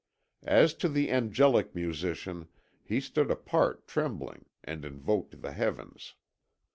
As to the angelic musician, he stood apart trembling, and invoked the heavens.